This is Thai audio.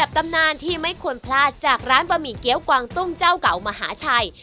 ตำนานที่ไม่ควรพลาดจากร้านบะหมี่เกี้ยวกวางตุ้งเจ้าเก่ามหาชัย